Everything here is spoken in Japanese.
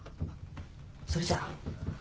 それじゃあ。